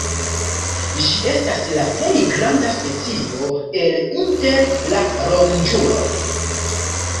Ĝi estas la plej granda specio el inter la ronĝuloj.